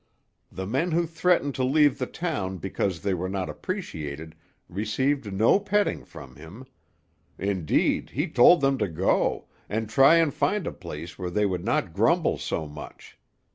The men who threatened to leave the town because they were not appreciated received no petting from him; indeed, he told them to go, and try and find a place where they would not grumble so much.